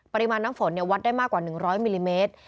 ปริมาณน้ำฝนวัดได้มากกว่า๑๐๐มิลลิเมตร